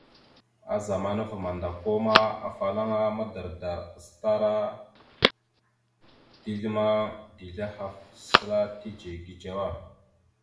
A zamana ava mandako, afalaŋa madardar acətara dezl ma, dezl ahaf səla tidze gidzewa.